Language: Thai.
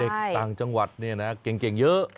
ต่างจังหวัดเนี่ยนะเก่งเยอะ